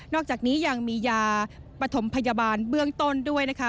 อกจากนี้ยังมียาปฐมพยาบาลเบื้องต้นด้วยนะคะ